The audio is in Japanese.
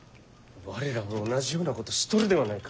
我らも同じようなことしとるではないか。